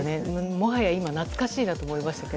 もはや今懐かしいなと思いました。